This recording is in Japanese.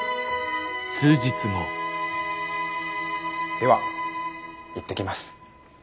では行ってきます。